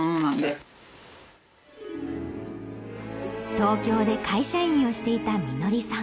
東京で会社員をしていた美紀さん。